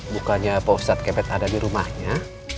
bukannya pak ustadz kebet ada dirumahnya